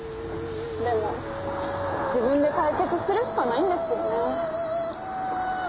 でも自分で解決するしかないんですよね。